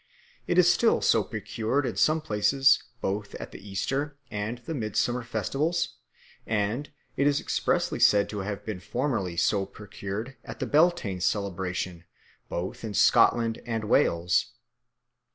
It is still so procured in some places both at the Easter and the Midsummer festivals, and it is expressly said to have been formerly so procured at the Beltane celebration both in Scotland and Wales.